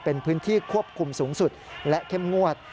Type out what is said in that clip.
เป็นพื้นที่ควบคุมสูงสุดและเข้มงวด